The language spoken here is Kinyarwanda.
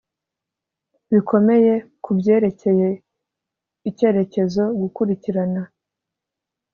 bikomeye kubyerekeye icyerekezo gukurikirana